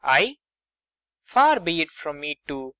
I? Far be it from me to MAIA.